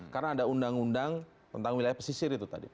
karena ada undang undang tentang wilayah pesisir itu tadi